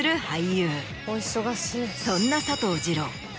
そんな佐藤二朗